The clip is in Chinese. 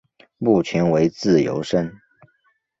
目前为自由身。